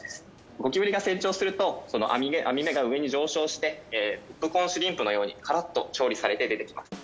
ゴキブリが成長するとその網目が上に上昇してポップコーンシュリンプのようにカラッと調理されて出てきます。